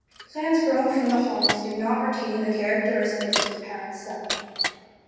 Plants grown from the haws do not retain the characteristics of the parent stem.